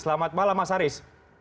selamat malam mas haris